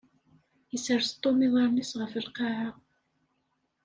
Isres Tom iḍaṛṛen-is ɣef lqaɛa.